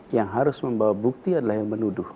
yang harus membawa bukti adalah yang menuduh